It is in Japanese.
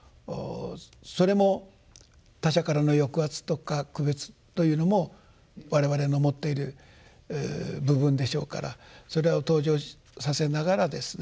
それも他者からの抑圧とか区別というのも我々の持っている部分でしょうからそれを登場させながらですね